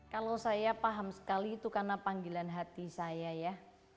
kalau saya paham sekali itu karena panggilan hati saya ya